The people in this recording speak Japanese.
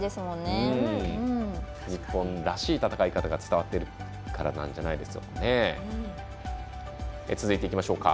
日本らしい戦い方が伝わってるからじゃないでしょうか。